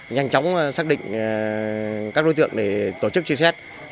nhanh chóng xác định các đối tượng để tổ chức truy xét